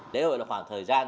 lễ hội là khoảng thời gian